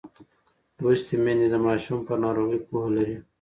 لوستې میندې د ماشوم پر ناروغۍ پوهه لري.